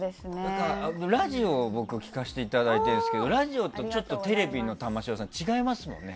ラジオを僕聴かせていただいてるんですけどラジオとテレビの玉城さん違いますもんね。